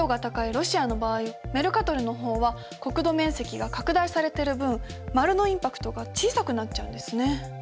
ロシアの場合メルカトルの方は国土面積が拡大されてる分丸のインパクトが小さくなっちゃうんですね。